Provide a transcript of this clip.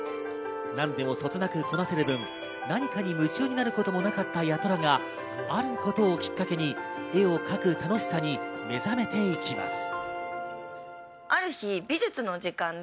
何でもそつなくこなせる分、何かに夢中になることもなかった八虎があることをきっかけに絵を描く楽しさに目覚めていきます。